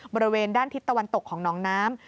บริเวณด้านทิศตะวันตกของน้องน้ำ